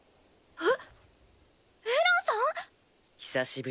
えっ！